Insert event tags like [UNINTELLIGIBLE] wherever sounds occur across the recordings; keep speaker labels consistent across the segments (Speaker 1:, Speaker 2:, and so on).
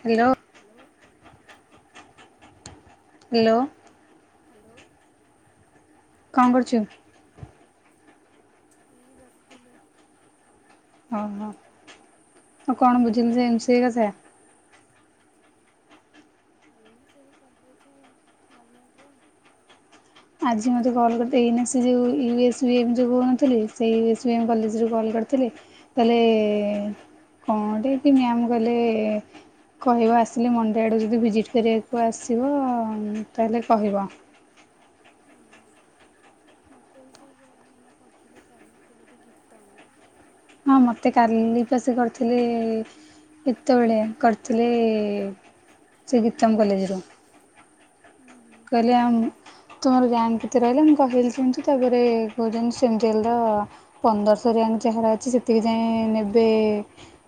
Speaker 1: Hello.
Speaker 2: Hello.
Speaker 1: Hello.
Speaker 2: Hello.
Speaker 1: କଣ କରୁଚନ୍ତି?
Speaker 2: ଏଇ ବସିଥିଲି।
Speaker 1: ଅ ହ ଆଉ କଣ ବୁଝିଲୁ ଯେ ଏମ୍ ସେୟା ସେୟା।
Speaker 2: [UNINTELLIGIBLE] ସେଇ କଲେଜେ ଗମେଣ୍ଟ୍ ରେ।
Speaker 1: ଆଜି ମୋତେ କଲ୍ କରିଥିଲେ ଏଇନା ସେ ଯଉ ୟୁଏସ୍ ବି ଏମ୍ ଯଉ କହୁନଥିଲି ସେ ୟୁଏସ୍ ବି ଏମ୍ କଲେଜରୁ କଲ୍ କରିଥିଲେ ତାହଲେ କଣ ଟିକେ ମ୍ୟାମ୍ କଲେ କହିବ ଆସିଲେ ମଣ୍ଡେ ଆଡ଼କୁ ଯଦି ଭିଜିଟ୍ କରିବାକୁ ଆସିବ ତାହେଲେ କହିବ।
Speaker 2: ଉଁ ହୁଁ। ମତେ ବି ସେଇ ଏଇନା କରିଥିଲେ ପ୍ରାଇଭେଟ୍ କଲେଜ୍ ଗୀତା ମ୍ୟାମ୍।
Speaker 1: ହଁ ମତେ କାଲି ତ ସେ କରିଥିଲେ କେତେବେଳେ କରିଥିଲେ ସେ ଗୀତମ କଲେଜେ ରୁ।
Speaker 2: ଉଁ ହୁଁ।
Speaker 1: କହିଲେ ଆମ୍ ତୁମର ରାଙ୍କ କେତେ ରହିଲା ମୁଁ କହିଲି ଯେମିତି ତାପରେ କହୁଛନ୍ତି ସିଙ୍ଗଲର ପନ୍ଦରଶହ ରିୟାଙ୍କ ଯାହାର ଅଛି ସେତିକି ଯାଇଏ ନେବେ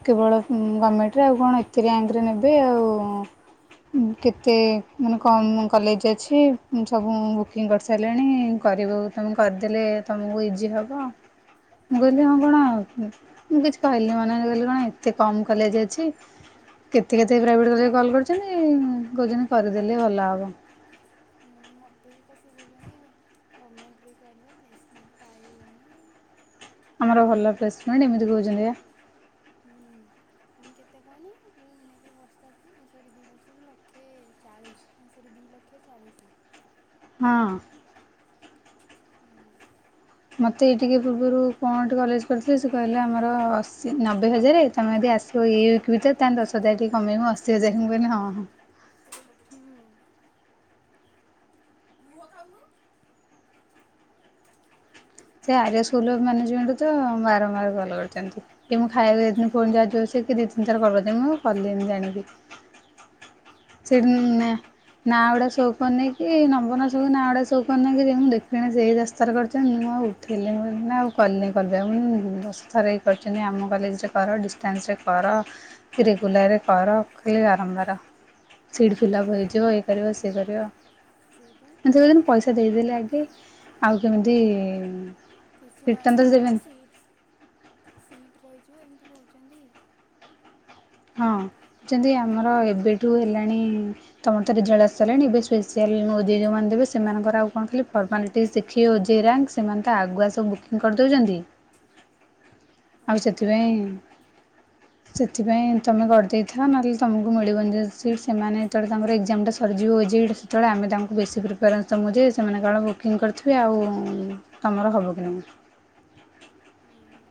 Speaker 1: କେବଳ ଗମେଣ୍ଟ୍ ରେ ଆଉ କଣ ଏତେ ର୍ୟାଙ୍କରେ ନେବେ ଆଉ କେତେ ମାନେ କମ୍ କଲେଜ୍ ଅଛି ସବୁ ବୁକିଂ କରିସାରିଲେଣି କରିବୁ ତୁମେ କରିଦେଲେ ତମକୁ ଇଜି ହେବ ମୁଁ କହିଲି ହଁ
Speaker 2: ହୁଁ ହୁଁ
Speaker 1: କଣ ଆଉ ମୁଁ କିଛି କହିଲିନି ମନେ ମନେ କହିଲି କଣ ଏତେ କମ୍ କଲେଜ୍ ଅଛି। କେତେ କେତେ ପ୍ରାଇଭେଟ୍ କଲେଜ୍ କଲ୍ କରିଚନ୍ତି କହୁଚନ୍ତି କରିଦେଲେ ଭଲ ହବ।
Speaker 2: ମୋତେ ବି ସେ କଉଛନ୍ତି [UNINTELLIGIBLE] ଗମେଣ୍ଟ୍ ରେ କରିବ ପ୍ଲେସ୍ ମେଣ୍ଟ୍ ପାଇବନି।
Speaker 1: ଆମର ଭଲ ପ୍ଲେସମେଣ୍ଟ୍ ଏମିତି କହୁଛନ୍ତି ଆ
Speaker 2: ହୁଁ ପୁଣି କେତେ କହନି ନେବେ ବର୍ଷକୁ ସରି ଦି ବର୍ଷକୁ ଲକ୍ଷେ ଚାଳିଶ୍। ସରି ଦି ଲକ୍ଷ ଚାଳିଶି।
Speaker 1: ହଁ।
Speaker 2: ହୁଁ।
Speaker 1: ମୋତେ ଏଇ ଟିକେ ପୂର୍ବରୁ କଣ ଗୋଟେ କଲେଜ କରିଥିଲେ ସେ କହିଲା ଆମର ଅଶୀ ନବେ ହଜାର ତମେ ଯଦି ଆସି ତ ଏଇ ୱିକ୍ ବି ତ ତା ଦଶ ହଜାର ଟିକେ କମେଇବ ଅଶୀ ହଜାର କହଲେ ହଁ -ହଁ।
Speaker 2: ହୁଁ। ମୁହଁ ଖାଉନୁ।
Speaker 1: ସେ ଆର ସ୍କୁଲ୍ ର ମ୍ୟାନେଜମେଣ୍ଟରେ ତ ବାରମ୍ବାର କଲ୍ କରୁଛନ୍ତି। ଟିକେ ମୁଁ ଖାଇବାକୁ ଜାଇଥିନି ପୁଣି ଯା ସେ ଦିଇ ତିନିଥର କଲ କରିଥିଲେ ମୁଁ କଲିନିଯାଣିକି। ସେ ନା ନାଁ ଗୁଡ଼ାଆ ସୋ କରୁନେଇକି ନମ୍ବର୍ ରାସବୁ ନାଁ ଗୁଡ଼ା ସୋ‌ କରୁନେଇ କି ନେଇକି ଯେ ମୁଁ ଦେଖିଲି ସେଇ ରାସ୍ତାରେ କରିଚି ମୁଁ ଆଉ ଥିଲେ [UNINTELLIGIBLE] କ ମୁଁ ଦଶ ଥର ହେଇ କରିଛନ୍ତି ଆମ କଲେଜରେ କର ଡିଷ୍ଟାନ୍ସରେ କର କି ରେଗୁଲାରରେ କର ଖାଲି ବାରମ୍ବାର ସିଟ୍ ଫିିଲପ୍ ହେଇଯିବ ଏ କରିବ ସେ କରିବ।
Speaker 2: ସେଇ ପା।
Speaker 1: ଦିନ ପଇସା ଦେଇଦେଲେ ଆଗେ ଆଉ କେମିତି
Speaker 2: କିଛି
Speaker 1: ରିଟର୍ଣ୍ଣ
Speaker 2: ନାହିଁ
Speaker 1: ତ
Speaker 2: ତମର
Speaker 1: ଦେବେନି
Speaker 2: ସିଟ୍ ସିଟ୍ ରହିଯିବ ଏମିତି କହୁଚନ୍ତି।
Speaker 1: ହଁ ଯଦି ଆମର ଏବେଠୁ ହେଲାଣି ତମରରେ ଜଳସଲେଣି ଏବେ ସ୍ପେଶଆଲ ନଦୀ ଯୋଉମାନେ ଦେବେ ସେମାନଙ୍କର ଆଉ କଣ ଖାଲି ପ [UNINTELLIGIBLE] ଟିକେ ଶିଖିବେ ଓଜେଇ ରାଙ୍କ ସେମାନେ ତ ଆଗୁଆ ସବୁ ବୁକିଂ କରିଦଉଚନ୍ତି ଆଉ ସେଥିପାଇଁ ସେଥିପାଇଁ ତୁମେ କରିଦେଇଥାଅ ନହେଲେ ତୁମକୁ ମିଳିବନି ଯଦି ସିଟ୍ ସେମାନେ ଯେତେବେଳେ ତମର ଏକ୍ଜାମଟା ସରିଯିବ ଓଜେଇ ଟା ଯେତେବେଳେ ଆମେ ତାଙ୍କୁ ବେଶୀ ପ୍ରିଫରେନ୍ସ ମୁ ଯେ ସେମାନେ କଣ ବୁକିଂ କରିଥିବେ ଆଉ ତମର ହବ କି ନାହିଁ।
Speaker 2: ଉଁ ହୁଁ।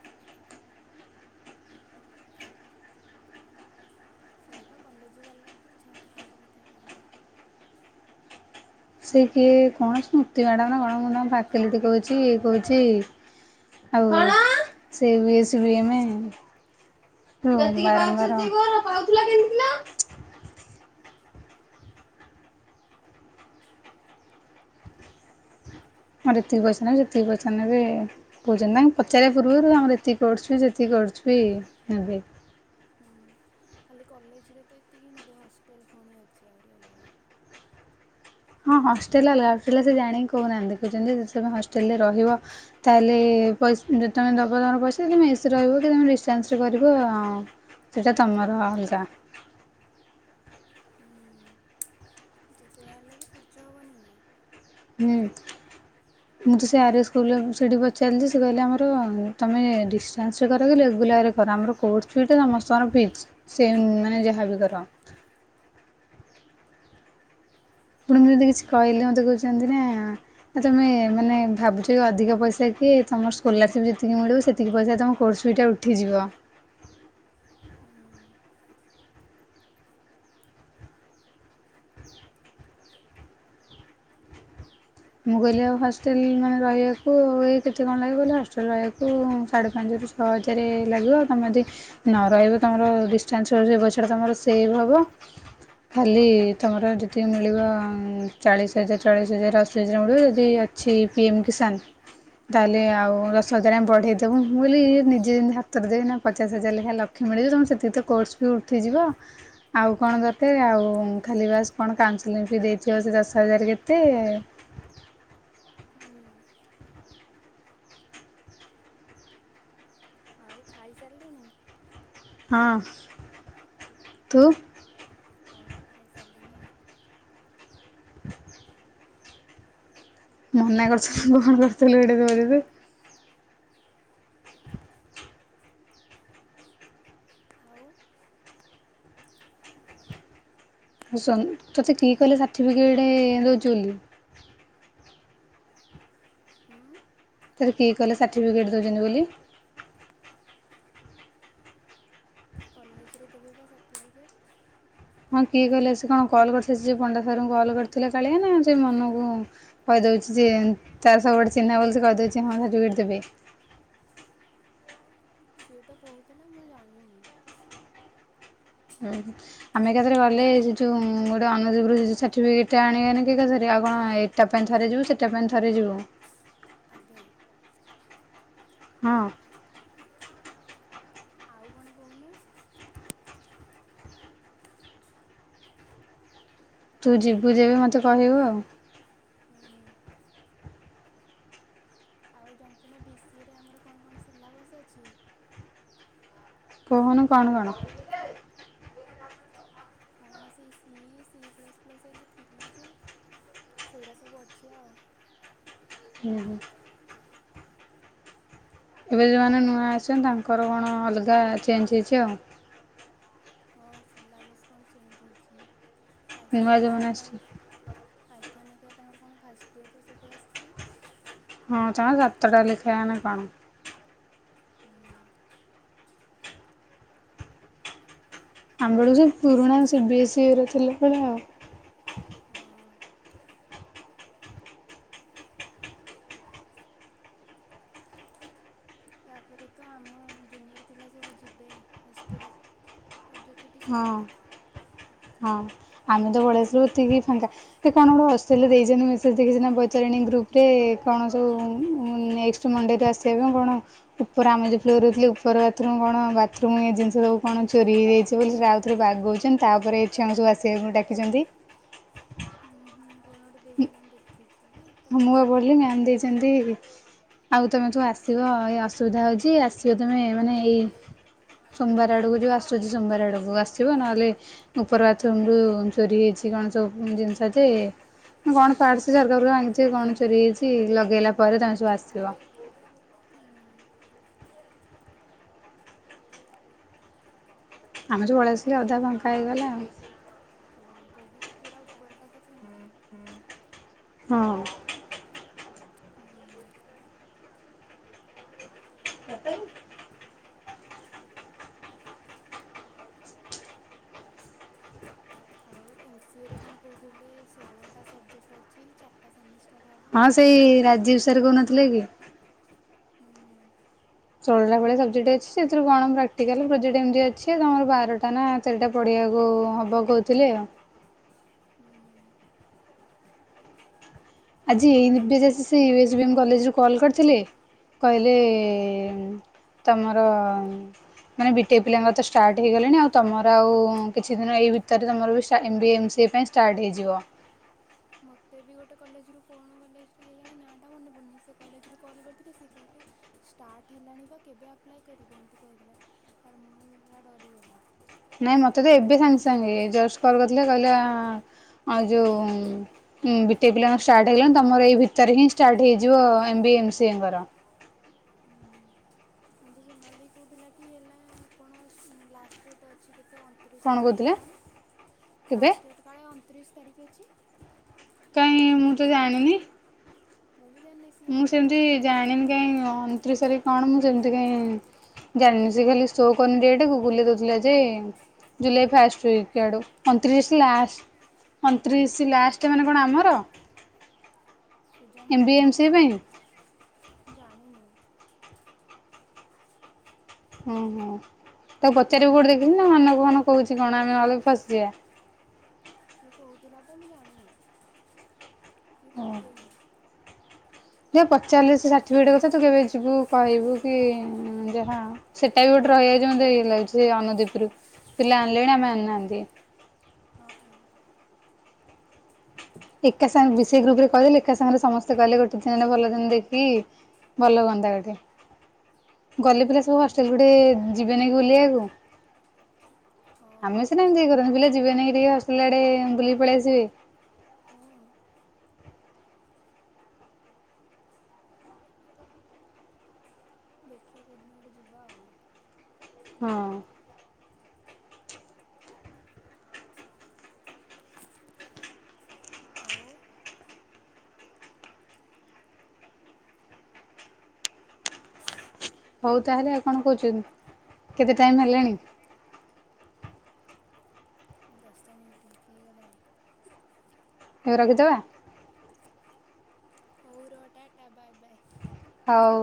Speaker 2: ସେଇ ବା କଲେଜ ବାଲା କୁ ନା ତାଙ୍କ କଥା କହନା।
Speaker 1: ସେ କିଏ କଣ ସ୍ମୃତି ମ୍ୟାଡ଼ାମ ନା କଣ ମ ନା ପାକିଲିଟି କହୁଛି ଇଏ କହୁଛି ଆଉ ସେ ବିଏସ ବି ଏ ମ୍।
Speaker 2: ହୁଁ ହୁଁ
Speaker 1: [UNINTELLIGIBLE] ମଁ ଯେତିକି ପଇସା ନେବେ ଯେତିକି ପଇସା ନେବେ। କହୁଛନ୍ତି ନା ପଚାରିବା ପୂର୍ବରୁ ଆମର ଏତିକି କରୁଛୁ ସେତିକି କରୁଛିବ ବି ହେବେ
Speaker 2: ହୁଁ ଖାଲି କଲେଜରେ ତ ଏତିକି ନେବେ ହଷ୍ଟେଲ ପୁଣି ଅଛି ଆହୁରି ଅଲଗା
Speaker 1: ହଁ ହଷ୍ଟେଲ ଲାଇଫ ସେ ଜାଣିକି କହୁନାହାନ୍ତି କହୁଛନ୍ତି ଯେମେ ହଷ୍ଟେଲ ରେ ରହିବ। ତାହେଲେ ପଇସ ଯଦି ତମେ ଦେବ ତୁମର ପଇସା ତୁମେ ଏସି ରହିବ କି ତୁମେ ଡିଷ୍ଟାନ୍ସରେ କରିବ ଆଉ। ସେଇଟା ତମର ଅଲଗା
Speaker 2: ହୁଁ। ଯେତେ ଯା ହେଲେ ବି ଖର୍ଚ୍ଚ ହବନିନା
Speaker 1: ହୁଁ ମୁଁ ତ ସେ ଆର୍ଏ ସ୍କୁଲ ସେଇଠି ପଚାରିଲି ସେ କହିଲେ ଆମର ତୁମେ ଡିଷ୍ଟାନ୍ସରେ କର କି ରେଗୁଲାରରେ କର ଆମର କୋର୍ସ ଫ୍ରୀ ସମସ୍ତର ଫିକ୍ସ ସେ ମାନେ ଯାହାବି କର। ଆପଣଙ୍କୁ ଯଦି
Speaker 2: ହୁଁ।
Speaker 1: କିଛି
Speaker 2: ହୁଁ
Speaker 1: କହିଲେ ମୋତେ କହୁଛନ୍ତି ନା। ଆ ତମେ ମାନେ ଭାବୁଛ କି ଅଧିକ ପଇସା କି ତମର ସ୍କଲରସିପ୍ ଯେତିକି ମିଳିବ ସେତିକି ପଇସା ତମ କୋର୍ସ ବିଟା ଉ ଠିଯିବ
Speaker 2: ହଁ
Speaker 1: ମୁଁ କହିଲି ଆଉ ହଷ୍ଟେଲ ମାନେ ରହିବାକୁ ଆଉ ଏ କେତେ କଣ ଲାଗେ କହିଲ ହଷ୍ଟେଲ ରହିବାକୁ ସାଢ଼େ ପାଞ୍ଚ ରୁ ଛଅ ହଜାର ଲାଗିବ ତମେ ଯଦି ନ ରହିବ ତମର ଡିାନ୍ସ ର ରହିବ ସେଟା ତମର ସେଭ ହବ। ଖାଲି ତମର ଯଦି ମିଳିବ ଚାଳିଶ ହଜାର ଚାଳିଶ ହଜାର ଆସ। ଦଶଜାର ଗୁଡ଼ ଯଦି ଅଛି ପିଏମ୍ କିଷାନ ତାହେଲେ
Speaker 2: ହୁଁ।
Speaker 1: ଆଉ ଦଶ ହଜାର ଆମ ବଢ଼େଇ ଦ ବୁ ମୁଁ କହିଲି ଇଏ ନିଜେ ଯେିତି ହାତରେ ଦେବି ପଚାଶ ହଜାର ଲେଖା ଲକ୍ଷ୍ୟ ମିଳିଯିବ ତମେ ସେତିକି ତ କୋର୍ସ ବି ଉଠିଯିବ। ଆଉ କଣ ଦରକାର ଆଉ ଖାଲି ବାସ୍ କଣ କାଉନସେଲିଂ ବି ଦେଇଥିବ ସେ ଦଶ ହଜାର କେତେ
Speaker 2: ହୁଁ ଆଉ ଖାଇସାରିଲୁଣି?
Speaker 1: ହଁ [INAUDIBLE] ତୁ
Speaker 2: ହଁ ଖାଇସାରିଲଣି।
Speaker 1: [INAUDIBLE] ମନା କରୁଥିଲ କଣ କରୁଥିଲୁ ଏଡେ [INAUDIBLE]
Speaker 2: ଆଉ
Speaker 1: ଆଉ ସନ ତୋତେ କିଏ କହେ ସାର୍ଟିଫିକେଟ୍ ଦେଉଛୁ ବୋଲି।
Speaker 2: ହଁ
Speaker 1: ତତେ କିଏ କହିଲା ସାର୍ଟିଫିକେଟ୍ ଦଉଛନ୍ତି ବୋଲି।
Speaker 2: କଲେଜରେ ଦେବେ ବା ସାର୍ଟିଫିକେଟ୍।
Speaker 1: ହଁ କିଏ କହିଲେ ସେ କଣ କଲ୍ କରିଥିଲେ ଯିଏ ପଣ୍ଡା ସାରର୍ଙ୍କୁ କଲ୍ କରିଥିଲେ କାଳିଆ ନା ସେ ମନକୁ କହିଦଉଛି ଯେ ତାର ସବୁ ଆଡେ ଚିହ୍ନା ବୋଲି ସେ କହିଦଉଛି ହଁ ସେ ଦେବେ।
Speaker 2: ସିଏ ତ କହୁଥିଲା ମୁଁ ଜାଣିନି।
Speaker 1: ହୁଁ ହୁଁ ଆମେ ଏକା ଥରେ ଗଲେ ସେ ଯଉ ଗୋଟେ ଅନୁଜୁଗୁରୁସାର୍ଟିଫିକେଟଟେ ଆଣିବାନିକି ଏକା ଥରେ ଆଉ କଣ ଏ ଟା ପାଇଁ ଥରେଯିବୁ ସେଟା ପାଇଁ ଥରେଯିବୁ।
Speaker 2: ଆବେ
Speaker 1: ହଁ
Speaker 2: ଆଉ କଣ କହୁନୁ।
Speaker 1: ତୁ ଯିବୁ ଯେବେ ମତେ କହିବୁ ଆଉ
Speaker 2: ହୁଁ ଆଉ ଜାଣିଚୁ ନା ବିସିଇ ରେ ଆମର କଣ କଣ ସିଲାବସ ଅଛି?
Speaker 1: କହୁନୁ କଣ କଣ?
Speaker 2: କଣ ସେଇ ସି ସି ପ୍ଲସ୍ ପ୍ଲସ୍ ହେକା ଥିଲା ଯେ ସେଇରା ସବୁ ଅଛି ଆଉ।
Speaker 1: ହୁଁ ହୁଁ ଏବେ ଯଉମାନେ ନୂଆ ଆସିଚନ୍ତି ତାଙ୍କର କଣ ଅଲଗା ଚେଞ୍ଜ ହେଇଚି ଆଉ।
Speaker 2: ହଁ, ସିଲାବସ୍ କଣ ଚେଞ୍ଜ୍ ହେଇଚି
Speaker 1: ନୂଆ
Speaker 2: ପାଇଥନ୍
Speaker 1: ଯୋଉମାନେ
Speaker 2: ଫାଇଥନ୍
Speaker 1: ଆସିଛନ୍ତି
Speaker 2: ତାଙ୍କ ପାଇଥନ୍ ହେରିକା ତାଙ୍କର କଣ ଫାଷ୍ଟ ଇୟର୍ର ରୁ ସବୁ ଆସିଛି।
Speaker 1: ହଁ, ତାଙ୍କର ସାତଟା ଲେଖାଏ ନା କଣ?
Speaker 2: ହୁଁ
Speaker 1: ଆମ ବେଳକୁ ବି ପୁରୁଣା ସି ବି ଏସି ରେ ଥିଲା ସେଟା।
Speaker 2: ହଁ ତାପରେ ତ ଆମ ଜୁନିୟର ପିଲା ସବୁ ଯିବେ ହଷ୍ଟେଲ ରଜ ଛୁ
Speaker 1: ହଁ ହଁ ଆମେ ତ ପଳେଆସୁଲୁ ଏତିକି ଫାଙ୍କା ସେ କଣ ଗୋଟେ ହଷ୍ଟେଲରେ ଦେଇଛନ୍ତି ମେସେଜ ଦେଖିଚୁନା ବଇତରଣୀ ଗ୍ରୁପରେ କଣ ସବୁ ମୁଁ ନେକ୍ସ ସ ମଣ୍ଡେରେ ଆସିବା ପାଇଁ କଣ ଉପର ଆମ ଯୋଉ ଫ୍ଲୋର ଥିଲେ ଉପର ବାଥରୁମ କଣ ବାଥରୁମ ଜିନିଷ ସବୁ କଣ ଚୋରି ହେଇଯାଇଚି। ସେ ବୋଲି ସେରା ଆଉଥରେ ବାଗଉଚନ୍ତି ତାପରେ ଛୁଆଙ୍କୁ ସବୁ ଆସିବାକୁ ଡାକିଚନ୍ତି।
Speaker 2: ହୁଁ ହୁଁ କଣ ଗୋଟେ ଦେଇଥିଲେ ମୁଁ ଦେଖିଛି ଯେ
Speaker 1: ହଁ ମୁଁହ
Speaker 2: ଭଲସେ ବି
Speaker 1: ବୋଲିି
Speaker 2: ପଢ଼ିନି
Speaker 1: ମ୍ୟାାମ ଦେଇଚନ୍ତି ଆଉ ତମେ ସବୁ ଆସିବ ଏଇ ଅସୁବିଧା ହଉଚି ଆସିବ ତମେ ମାନେ ଏଇ ସୋମବାର ଆଡ଼କୁ ଯୋଉ ଆସୁଚି ସୋମବାର ଆଡ଼କୁ ଆସିବ ନହେଲେ ଉପର ବାଥରୁମ ରୁ ଚୋରି ହେଇଚି କଣ ସବୁ ଜିନିଷ ଯେ କଣ ପାର୍ଟ୍ସ ଝରକାରୁ ଭାଙ୍ଗିଛି କଣ ଚୋରି ହେଇଚି ଲଗେଇଲା ପରେ ତମେ ସବୁ ଆସିବ।
Speaker 2: ହୁଁ।
Speaker 1: ଆମେ ଯୋଉ ପଳେଇ ଆସିଲେ ଅଧା ଫାଙ୍କା ହେଇଗଲା ଆଉ।
Speaker 2: ହଁ ବହୁତ ପୁରା ଉପରଟା ତ ଫାଙ୍କା।
Speaker 1: ହଁ।
Speaker 2: ହୁଁ। ଆଉ ଏମ ସିଏ ରେ କଣ କହୁଥିଲେ ଷୋହଳଟା ସବଜେକ୍ଟ ଅଛି ଚାରିଟା ସେମିଷ୍ଟାର ହବ।
Speaker 1: ହଁ ସେଇ ରାଜୀବି ସାର୍ କହୁନଥିଲେ କି?
Speaker 2: ହୁଁ
Speaker 1: ଷୋଳଟା ଭଳିଆ ସବଜେକ୍ଟ୍ ଅଛି ସେଥିରୁ କଣ ପ୍ରାକ୍ଟିକାଲ ପ୍ରୋଜେକ୍ଟ ଏମତି ଅଛି ତମର ବାରଟା ନା ଚାରିଟା ପଢିବାକୁ ହବ କହୁଥିଲେ ଆଉ।
Speaker 2: ହୁଁ।
Speaker 1: ଆଜି ଏଇ Nivya J C C U S B M କଲେଜରୁ କଲ୍ କରିଥିଲେ କହିଲେ
Speaker 2: ହୁଁ।
Speaker 1: ତମର ମାନେ ବିଟେକ୍ ପିଲାଙ୍କର ତ ଷ୍ଟାର୍ଟ ହେଇଗଲାଣି ଆଉ ତମର ଆଉ କିଛି ଦିନ ଏଇ ଭିତରେ ତମର ବି ଷ୍ଟା ଏମ ବିଏ ଏମ୍ ସିଏ ପାଇଁ ଷ୍ଟାର୍ଟ ହେଇଯିବ।
Speaker 2: ମୋତେ ବି ଗୋଟେ କଲେଜରୁ କଣ କଲେଜଟା କେଜାଣି ନାଟା ମନେ ପଡ଼ୁନି ସେ କଲେଜରୁ କଲ୍ କରିଥିଲେ ସିଏ କହିଲେ ଷ୍ଟାର୍ଟ ହେଲାଣି ବା କେବେ ଆପ୍ଲାଏ କରିବ ଏମିତି କହିଦେଲେ ତାପରେ ମୁଁ ଏଇଭଳିଆ ଡରିଗଲି।
Speaker 1: ନାଇଁ ମତେ ତ ଏବେ ସାଙ୍ଗେ ସାଙ୍ଗେ ଜଷ୍ଟ କଲ କରିଥିଲେ କହିଲା ଆଉ ଯୋଉ ହୁଁ ବିଟେକ୍ ପିଲାଙ୍କର ଷ୍ଟାର୍ଟ ହେଇଗଲାଣି ତମର ଏଇ ଭିତରେ ହିଁ ଷ୍ଟାର୍ଟ ହେଇଯିବ ଏମ ବିଏ, ଏମ ସିଏ ଙ୍କର
Speaker 2: ହୁଁ ହୁଁ। ମୋତେ ସୋନାଲି ଦେଇ କହୁଥିଲା କି ହେଲା କଣ ଲାଷ୍ଟ ଡେଟ୍ ଅଛି କେତେ ଅଁ ଅଣତିରିଶି
Speaker 1: କଣ
Speaker 2: ତାରିଖି ନା
Speaker 1: କହୁଥିଲା
Speaker 2: କଣ
Speaker 1: କେବେ
Speaker 2: ଲାଷ୍ଟ ଡେଟ୍ କାଳେ ଅଣତିରିଶି ତାରିଖି ଅଛି?
Speaker 1: କାଇଁ ମୁଁ ତ ଜାଣିନି?
Speaker 2: ମୁଁ ବି ଜାଣିନି ସିଏ ମୋତେ କହିଲେ ତ
Speaker 1: କାଇଁ ଅଣତିରିଶି ତାରିଖି କଣ ମୁଁ ସେମିତି କାଇଁ ଜାଣିନି ସେ ଖାଲି ଶୋ କରୁନି ଡେଟ୍ ଗୁଗୁଲ ରେ ଦଉଥିଲା ଯେ ଜୁଲାଇ ଫାଷ୍ଟ ୱିଇକ ଆଡ଼କୁ ଅନତିରିଶି ଲାଷ୍ଟ ଅଣତିରିଶି ଲାଷ୍ଟ ମାନେ କଣ ଆମର?
Speaker 2: କେଜାଣି
Speaker 1: ଏମ୍ ବି ଏମ୍ ସି ପାଇଁ
Speaker 2: ଜାଣିନି?
Speaker 1: ଓହୋ ତାକୁ ପଚାରିବୁ କୋଉଠି ଦେଖିଥିଲେ ନା ନା ମନେ କହୁଚି କଣ ଆମେ ନହେଲେ ଫସିଯିବା।
Speaker 2: ସିଏ କହୁଥିଲା ତ ମୁଁ ଜାଣିନି ମୁଁ ପକେଇନି।
Speaker 1: ଯେ ପଚାରିଲେ ସେ ସାଠିପିକେଟ କଥା ତୁ କେବେ ଯିବୁ କହିବୁ କି ହୁଁ ଯାହା ସେଟା ବି ଗୋଟେ ରହିଯାଇଚି ମୋତେ ଇଏ ଲାଗୁଚି ସେ ଅନୁଦୀପ ରୁ ପିଲା ଆଣିଲେଣି ଆମେ
Speaker 2: ହଁ
Speaker 1: ଆଣିନାହାନ୍ତି।
Speaker 2: ହଁ ହଁ।
Speaker 1: ଏକା ସାଙ୍ଗେ ବିସି ଗ୍ରୁପ ରେ କହିଦେଲେ ଏକା ସାଙ୍ଗରେ ସମସ୍ତେ ଗଲେ ଗୋଟେ ଦିନ ଭଲ ଦିନ ଦେଖି ଭଲ ହୁଅନ୍ତା ଗୋଟେ। ଗଲେ ପିଲା ସବୁ
Speaker 2: ହୁଁ
Speaker 1: ହଷ୍ଟେଲ ଗୁଡି ଯିବେନି କି ବୁଲିବାକୁ।
Speaker 2: ହଁ
Speaker 1: ଆମେ ସିନା ଏମିତି କରନ୍ତି ପିଲା ଯିବେନିକି ଟିକେ ହଷ୍ଟେଲ ଆଡେ ବୁଲିକି ପଳେଇ ଆସିବେ।
Speaker 2: କଅ। ଦେଖିଆ କୋଉ ଦିନ ଗୋଟେ ଯିବା ଆଉ।
Speaker 1: ହଁ।
Speaker 2: ଆଉ?
Speaker 1: ହଉ ତାହେଲେ ଆଉ କଣ କୋଉଚୁ, କେତେ ଟାଇମ୍ ହେଲାଣି?
Speaker 2: ଦଶ ମିଣ୍ଟି ହେଇଗଲାଣି।
Speaker 1: ଏବେ ରଖିଦବା?
Speaker 2: ହୋଉ ର ଟାଟା ବାଏ ବାଏ।
Speaker 1: ହଉ।